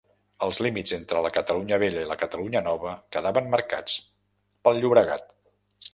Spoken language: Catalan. Els límits entre la Catalunya Vella i la Catalunya Nova quedaven marcats pel Llobregat.